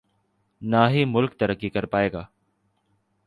نہ ہی ملک ترقی کر پائے گا۔